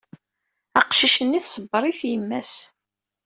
Aqcic-nni tṣebber-it yemma-s.